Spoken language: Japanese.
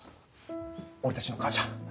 俺たちの母ちゃん